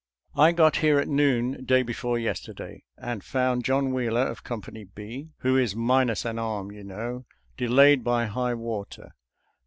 ••• I got here at noon day before yesterday, and found John Wheeler of Company B, who is minus an arm, you know, delayed by high water.